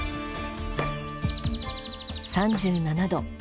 ３７度。